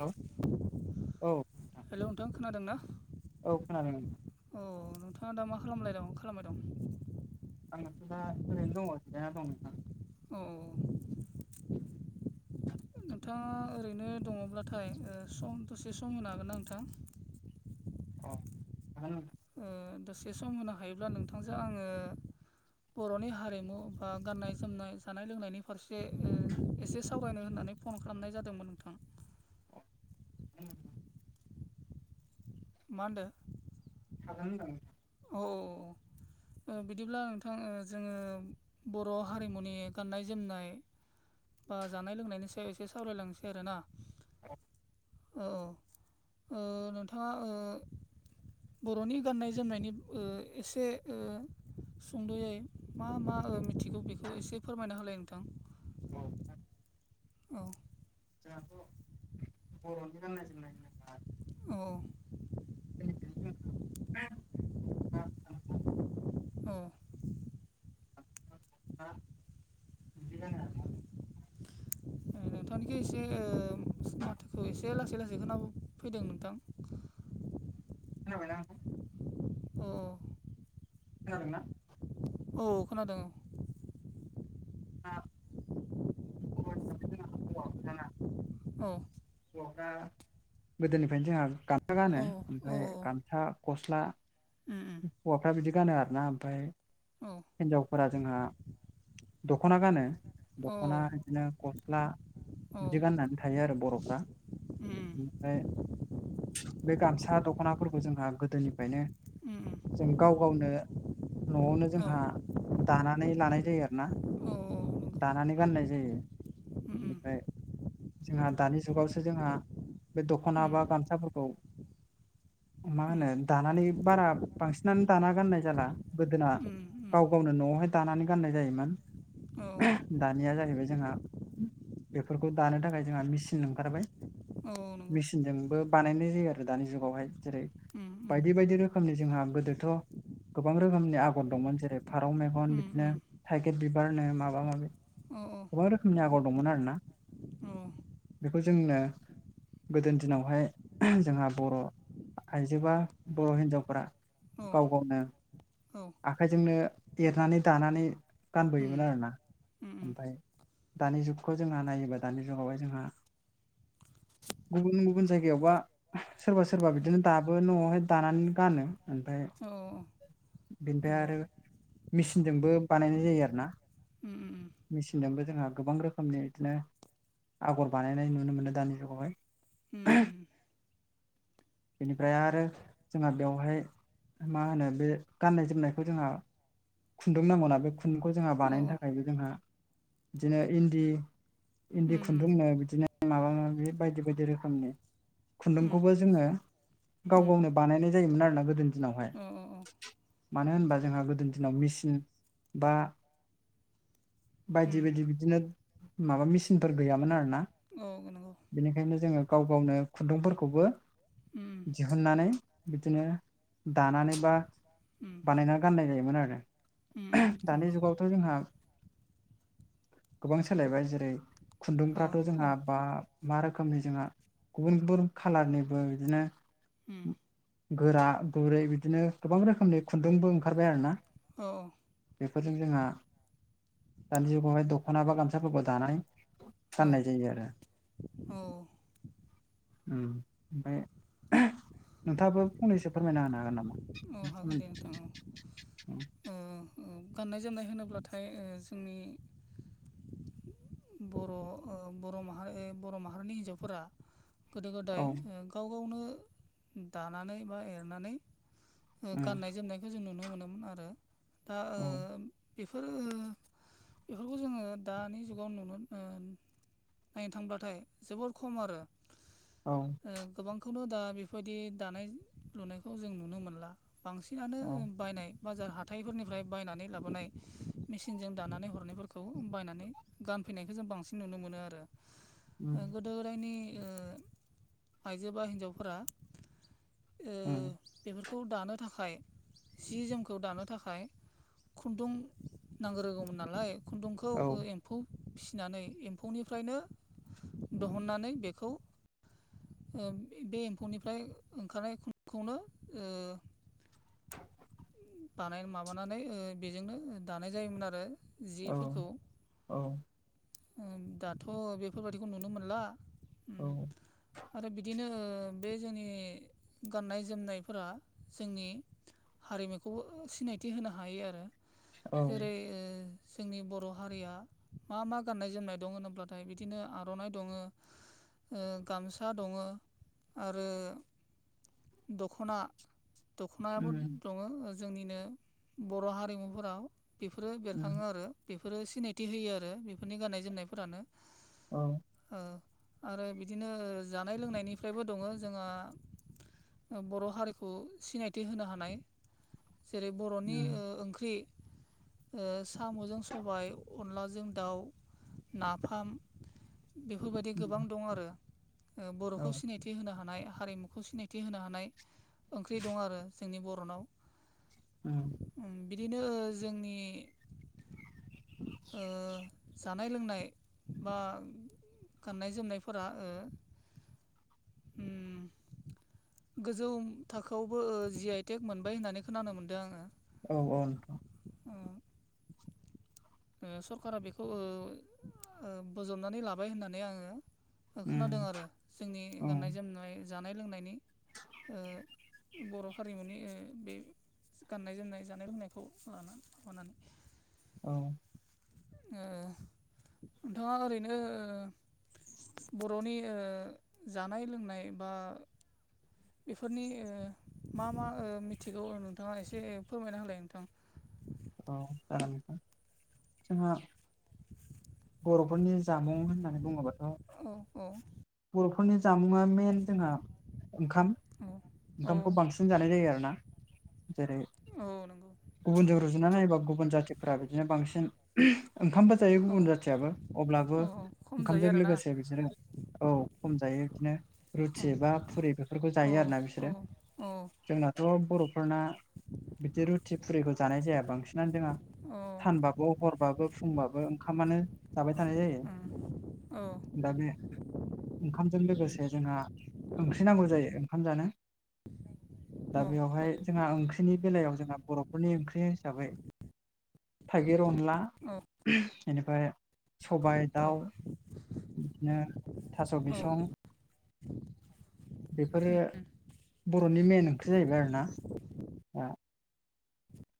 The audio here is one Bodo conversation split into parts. हेल' औ नोंथां हेल' नोंथां खोनादोंना? औ खोनादों औ नोंथाङा दा मा खालामलायदं खालामबाय दं आंनाथ' दा ओरैनो दङ जिरायना दं नोंथां औ नोंथाङा ओरैनो दङब्लाथाय ओ सम दसे सम होनो हागोन ना नोंथाङा औ हागोन नोंथां ओ दसे सम होनो हायोब्ला नोंथांजों आङो बर'नि हारिमु बा गाननाय जोमनाय जानाय लोंनायनि फारसे ओ एसे सावरायनो होननानै फन खालामनाय जादोंमोन नोंथां उ मा होनदो? हागोन होनदों औ ओ बिदिब्ला नोंथां जोङो बर' हारिमुनि गाननाय जोमनाय बा जानाय लोंनायनि सायाव एसे सावरायलांनोसै आरो ना। [unintelligible] औ ओ नोंथाङा ओ बर'नि गाननाय जोमनायनि ओ एसे ओ सुंद'यै मा मा मिथिगौ बेखौ एसे फोरमायना होलाय नोंथां। [inaudible] औ जोंहाथ' बर'नि गाननाय जोमनाय होनोब्ला औ [unintelligible] औ दा बिदि हागोन आरो [unintelligible] नोंथांनिखो ओ एसे ओ माथोखो एसे लासै लासै खोना फैदों नोंथां। खोनाबायना नोंथां? औ खोदोंना? औ खोनादों। [unintelligible] औ हौवाफ्रा गोदोनिफ्रायनो जोंहा गामसा गानो औ औ ओमफ्राय गामसा गस्ला उम हौवाफ्रा बिदि गानो आरोना ओमफ्राय औ हिनजावफोरा जोंहा दख'ना गानो औ दख'ना बिदिनो गस्ला औ बिदि गाननानै थायो आरो बर'फ्रा उम ओमफ्राय बे गामसा दख'नाफोरखौ जोंहा गोदोनिफ्रायनो उम जों गाव गावनो न'वावनो जोंहा दानानै लानाय जायो आरो ना। दानानै गाननाय जायो बेनिफ्राय जोंहा दानि जुगावसो जोंहा बे दख'ना बा गामसाफोरखौ मा होनो दानानै बारा बांसिनानो दाना गाननाय जाला गोदोना उम गाव गावनो न'आवहाय दानानै गाननाय जायोमोन। औ दानिया जाहैबाय जोंहा बेफोरखौ दानो थाखाय जोंहा मेचिन ओंखारबाय औ औ नंगौ। मचनजोंबो बानायनाय जायो आरो दानि जुगावहाय जेरै उम उम औ नंगौ उम बायदि बायदि रोखोमनि जोंहा गोदोथ' गोबां रोखोमनि आगर दंमोन जेरै फारौ मेगन उम बिदिनो उम थाइगिर बिबारनो माबा माबि औ औ गोबां रोखोमनि आगर दंमोन आरोना औ बेखौ जोंनो गोदोनि दिनावहाय जोंहा बर' आइजोबा बर' हिनजावफोरा औ गाव गावनो औ आखाइजोंनो एरनानै दानानै उम गानबोयोमोन आरोना। उम ओमफ्राय दानि जुगखौ जोंहा नायोबा दानि जुगावहाय जोंहा गुबुन गुबुन जायगायावबा सोरबा सोरबा उम बिदिनो दाबो न'आवहाय दानानै गानो ओमफ्राय अ अ बेनिफ्राय आरो मेचिनजोंबो बानायनाय जायो आरो ना उम उम मेचिनजोंबो जोंहा गोबां रोखोमनि बिदिनो आगर बानायनाय नुनो मोनो दानि जुगावहाय। उम बेनिफ्राय आरो जोंहा बेवहाय मा होनो बे गाननाय जोमनायखौ जोंहा खुन्दुं नांगौना बे खुन्दुंखौ जोंहा उम औ बानायनो थाखायबो जोंहा बिदिनो इन्दि इन्दि उम खुन्दुंनो बिदिनो माबा माबि बायदि बायदि रोखोमनि उम खुन्दुंखौबो जोङो गाव गावनो बानायनाय जायोमोन आरोना गोदोनि दिनावहाय औ औ मानो होनबा जोंहा गोदोनि दिनाव मेसिन बा उम बायदि बायदि बिदिनो माबा मेचिनफोर गैयामोन आरो ना औ नंगौ बेनिखायनो जोङो गाव गावनो खुन्दुंफोरखौबो उम दिहुननानै बिदिनो दानानै बा उम बानायनानै गाननाय जायोमोन आरो उम नंगौ दानि जुगावथ' जोंहा गोबां सोलायबाय जेरै औ खुन्दुंफ्राथ' उम औ जोंहा बा मा रोखोमनि जोंहा गुबुन गुबुन खाालारनिबो बिदिनो गोरा गुरै बिदिनो गोबां रोखोमनि खुन्दुंबो ओंखारबाय आरो ना औ औ बेफोरजों जोंहा दानि जुगावहाय दख'ना बा गामसाफोरखौ दानाय औ गाननाय जायो आरो औ ओमफ्राय नोंथाङाबो फंनैसो फोरमायना होनो हागोन नामा औ हागोन दे नोंथां औ गाननाय जोमनाय होनोब्लाथाय जोंनि बर' बर' मारि बर' माहारिनि हिन्जावफोरा गोदो औ गोदाय गाव गावनो दानानै बा एरनानै उम गाननाय जोमनाय बेखौ जों नुनो मोनोमोन आरो दा औ बेफोरो बेफोरखौ जोङो दानि जुग गाव नुनो नायनो थांब्लाथाय जोबोर खम आरो औ गोबांखौनो दा बेबायदि दानाय लुनायखौ जों नुनो मोनला बांसिनानो औ बायनाय बाजार हाथााइफोरनिफ्राय बायनानै लाबोनाय मेसिनजों दानानै हरनायफोरखौ बायनानै गानफैनायखौ जों बांसिन नुनो मोनो आरो उम गोदो गोदायनि ओ आइजो बा हिन्जावफोरा उम बेफोरखौ दानो थाखाय जि जोमखौ दानो थाखाय खुन्दुं नांग रोगौमोन नालाय खुन्दुंखौ औ एम्फौ फिसिनानै एम्फौनिफ्रायनो दिहुननानै बेखौ बे एम्फौनिफ्राय ओंखारनायखौनो बानाय माबानानै बेजोंनो दानाय जायोमोन आरो जिफोरखौ औ दाथ' बेफोरबायाददिखौ नुनो मोनला औ आरो बिदिनो बे जोंनि गाननाय जोमनायफोरा जोंनि हारिमुखौ बे खौबो सिनायथि होनो हायो आरो औ जेरै जोंनि बर' हारिया मा मा गाननाय जोमनाय दं होनोब्लाथाय बिदिनो आर'नाइ दङ ओ गामसा दङ आरो दख'ना दख'नायाबो उम दङ जोंनिनो बर' हारिमुफोराव बेफोरो उम बेरखाङो आरो बेफोरो सिनायथि होयो आरो बेफोरनि गाननाय जोमनायफोरानो औ आरो बिदिनो जानाय लोंनायनिफ्रायबो दङ जोंहा बर' हारिखौ सिनायथि होनो हानाय जेरै बर'नि ओ उम ओंख्रि ओ साम'जों सबाय अनलाजों दाउ नाफाम बेफोरबायदि गोबां उम दं आरो ओ औ बर'खौ सिनायथि सिथि होनो हानाय हारिमुखौ सिनायथि होनो हानाय ओंख्रि दं आरो जोंनि बर'नाव उम बिदिनो जोंनि ओ जानाय लोंनाय बा गाननाय जोमनायफोरा ओ उम गोजौ थाखोआवबो जि आइटेक मोनबाय होननानै खोनानो मोनदों आङो। औ औ नोंथां। ओ ओ सरकारा बेखौ ओ बजबनानै लाबाय होननानै आङो ओ खोनादों उम आरो जोंनि औ गाननाय जोमनाय जानाय लोंनायनि ओ बर' हारिमुनि ओ बे गाननाय जोमनाय जानाय लोंनायखौ लानानै माबानानै औ नोंथाङा ओरैनो ओ बर'नि ओ जानाय लोंनाय बा बेफोरनि ओ मा मा ओ मिथिगौ नोंथाङा एसे फोरमायना होलाय नोंथां। औ जागोन नोंथां जोंहा [inaudible] बर'फोरनि जामुं होननानै बुङोबाथ' औ औ। बर'फोरनि जामुङा मेइन जोंहा ओंखाम औ औ ओंखामखौ बांसिन जानाय जायो आरो ना जेरै औ नंगौ गुबुनजों रुजुनानै नायोबा गुबुन जाथिफोरा बिदिनो बांसिन ओंखामबो जायो औ गुबुन जाथियाबो औ अब्लाबो खम जायो ओंखामजों आरोना लोगोसे बिसोरो औ खम जायो बिदिनो रुथि बा फुरिबो बेफोरखौ औ जायो आरोना औ बिसोरो औ जोंनाथ' बर'फोरना। बिदि रुथि फुरिखौ जानाय जाया बांसिनानो जोंहा औ सानबा। बेव हरबाबो फुंबाबो ओंखामानो जाबाय थानाय जायो उम औ दा बे। ओंखामजों लोगोसे जोंहा ओंख्रि नांगौ जायो ओंखाम जानो। दा औ बेवहाय जोंहा ओंख्रिनि बेलायाव जोंहा बर'फोरनि ओंख्रि हिसाबै। [inaudible] थाइगिर अनला बेनिफ्राय सबाय दाउ बिदिनो थास' बिसं बेफोरो बर'नि मेन ओंख्रि जाहैबाय आरो ना।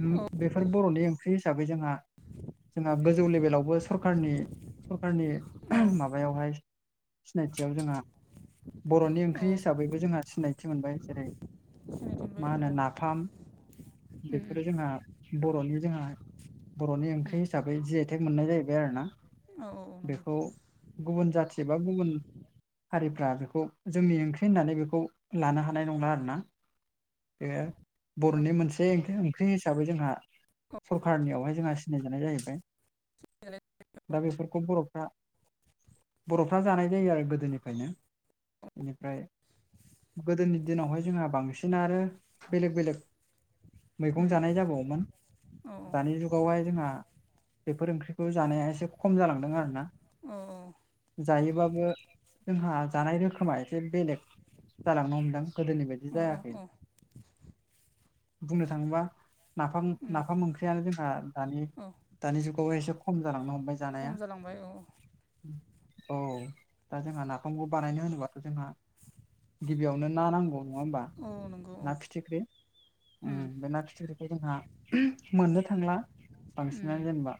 उम औ बेफोर बर'नि ओंख्रि हिसाबै जोंहा जोंहा गोजौ लेभेलावबो सरखारनि सरखारनि औ माबायावहाय सिनायथियाव जोंहा बर'नि ओंख्रि औ हिसाबैबो जोंहा सिनायथि मोनबाय जेरै सिनायथि मा मोनबाय औ होनो औ नाफाम उम औ नंगौ औ उम औ बेफोरो जोंहा बर'नि जोंहा बर'नि ओंख्रि औ हिसाबै बै जि आइटेक मोननाय जाहैबाय आरोना बेखौ गुबुन जाथि बा गुबुन हारिफ्रा बेखौ जोंनि ओंख्रि होननानै बेखौ लानो हानाय नंला आरोना। बे बर'नि मोनसे बे ओंख्रि हिसाबै जोंहा सरखारनियावहाय जोंहा सिनायजानाय जाहैबाय। दा बेफोरखौ बरफोरा बर'फ्रा जानाय जायो आरो गोदोनिफ्रायनो बेनिफ्राय गोदोनि दिनावहाय जोंहा बांसिन आरो बेलेक बेलेक मैगं जानाय जाबावोमोन दानि जुग मुगावहाय जोंहा बेफोर ओंख्रिखौ जानाया एसे खम जालांदों आरो ना। अ औ जायोबाबो जोंहा जानाय रोखोमा एसे बेलेग जालांनो हमदों। गोदोनि बायदि जायाखै औ बुंनो थाङोबा नाफाम उम नाफाम ओंख्रियानो जोंहा दानि औ दानि जुगाव एसे खम जालांनो हमबाय खम जानाया। जालांबाय औ औ दा जोंहा नाफामखौ बानायनो होनोबाथ' जोंहा गिबियावनो ना नांगौ औ नङा होमबा औ नंगौ औ ना फिथिख्रि उम बे ना फिथिख्रिखौ जोंहा मोननो थांला उम बांसिनानो जेनेबा।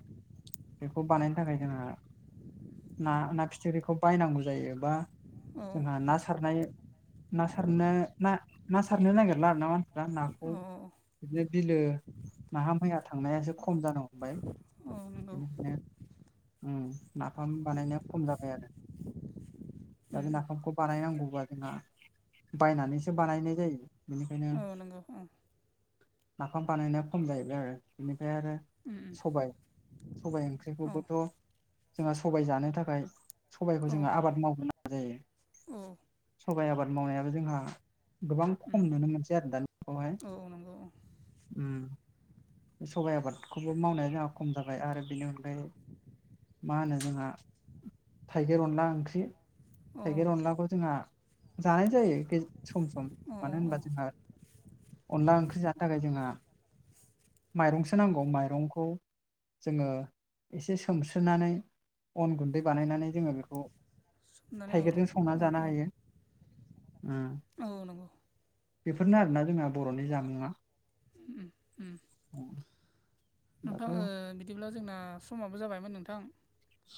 बेखौ बानायनो थाखाय जोंहा ना ना फिथिख्रिखौ बायनांगौ जायो बा। औ जोंहा ना सारनाय ना सारनो ना सारनो नागिरला आरोना मानसिफ्रा नाखौ औ बिदिनो बिलो नाहा मैया थांनायासो खम जानो हमबाय। औ नंगौ बेनिखायनो नाफाम बानायनाया खम जाबाय आरो‌ दा उम उम बे नाफामखौ बानायनांगौबा जोंना बायनानैसो बानायनांगौ जायो बेनिखायनो औ नंगौ नाफाम बानायनाया खम जाहैबाय आरो बेनिफ्राय आरो उम सबाय सबाय औ ओंख्रिखौबोथ' जोंहा सबाय जानो थाखाय सबाइखौ जोङो आबाद मावग्रोनागो जायो अ सबाय आबाद मावनायाबो जोंहा गोबां उम खम नुनो मोनसै आरो दानि जुगावहाय औ नंगौ औ सबाइ आबादखौबो मावनाया जोंहा खम जाबाय आरो बेनि अनगायै मा होनो जोंहा थाइगिर अनला ओंख्रि औ थाइगिर औ अनलाखौ जोंहा जानाय जायो सम सम औ औ मानो औ होनबा जोंहा अनला ओंख्रि जानो थाखाय जोंहा माइरंसो नांगौ माइरंखौ जोङो एसे सोमस्रोनानै अन गुन्दै बानायनानै जोङो बेखौ सोमनानै औ थाइगिरजों संनानै औ जानो हायो। औ नंगौ बेफोरनो आरोना जोंना बर'नि जामुआ उ उ दाथ' नोंथां बि बिदिब्ला जोंना समाबो जाबायमोन नोंथां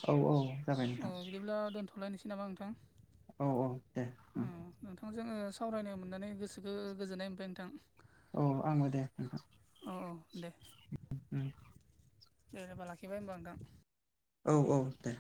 औ औ जाबाय अ नोंथां बिदिब्ला दोनथ'लायनोसै नामा नोंथां औ औ दे अ उम नोंथांजों सावरायनो मोननानै गोसोखौ गोजोननाय मोनबाय नोंथां औ आंबो दे औ जेनेबा लाखिबाय होनोमबा नोंथां औ औ दे